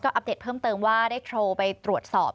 อัปเดตเพิ่มเติมว่าได้โทรไปตรวจสอบ